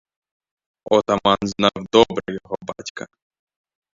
Отаман знав добре його батька.